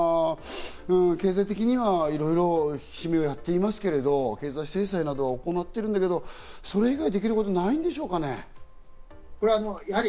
そこ何かＥＵ、さらにアメリカ、そして日本、できること、経済的にはいろいろ引き締めをやってますけど経済制裁などは行っているんですけど、それ以外できることはないんでしょうかね？